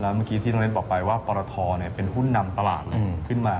เมื่อกี้ที่น้องเน้นบอกไปว่าปรทเป็นหุ้นนำตลาดขึ้นมา